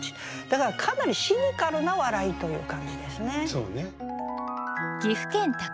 だからかなりシニカルな笑いという感じですね。